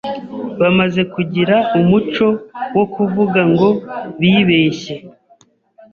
bamaze kugira umuco wo kuvuga ngo bibeshye